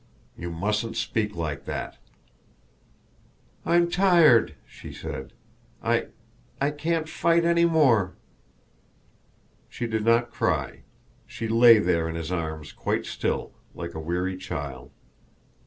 You mustn't speak like that!" "I'm tired," she said. "I I can't fight any more." She did not cry. She lay there in his arms quite still like a weary child.